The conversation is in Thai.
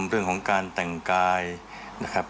เรื่องของการแต่งกายนะครับ